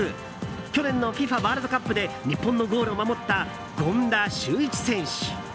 去年のＦＩＦＡワールドカップで日本のゴールを守った権田修一選手。